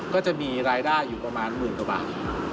ก็จะมีรายได้อยู่ประมาณหมื่นกว่าบาท